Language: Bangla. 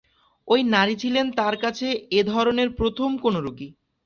ঐ নারী ছিলেন তার কাছে এ ধরনের প্রথম কোন রোগী।